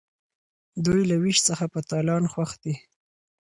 دوی له ویش څخه په تالان خوښ دي.